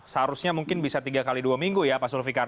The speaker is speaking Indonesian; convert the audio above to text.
seharusnya mungkin bisa tiga x dua minggu ya pak sulfikar